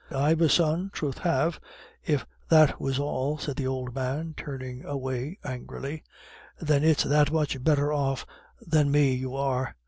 "I've a son, troth have I, if that was all," said the old man, turning away, angrily. "Then it's that much better off than me you are.